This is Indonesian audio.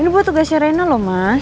ini buat tugas reyna loh mas